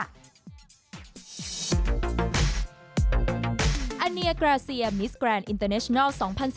อาเนียกราเซียมิสแกรนดอินเตอร์เนชนัล๒๐๑๙